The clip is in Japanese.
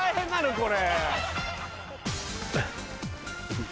これ。